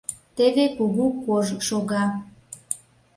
— Теве кугу кож шога.